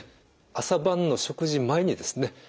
朝晩の食事前にですね